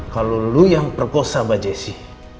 kalau kamu yang perkosa pak jesse